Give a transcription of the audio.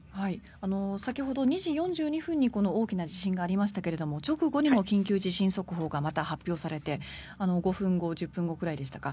先ほど、２時４２分に大きな地震がありましたが直後にも緊急地震速報がまた発表されて５分後、１０分後くらいでしたか。